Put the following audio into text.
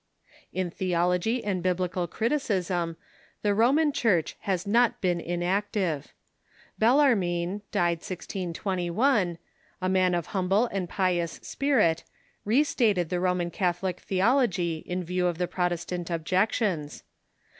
In theology and Biblical criticism, the Roman Church has not been iuactive. Bellarmine (died 1621), a man of humble Theology '"''"'^ pious spirit, re stated the Roman Catholic the and Biblical ology in view of the Protestant objections.